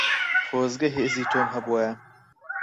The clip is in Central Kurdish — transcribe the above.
خۆزگە هێزی تۆم هەبوایە.